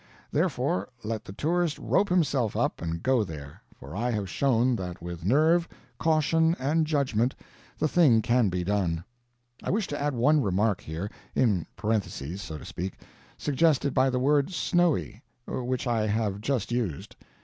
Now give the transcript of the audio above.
Therefore, let the tourist rope himself up and go there; for I have shown that with nerve, caution, and judgment, the thing can be done. I wish to add one remark, here in parentheses, so to speak suggested by the word "snowy," which I have just used.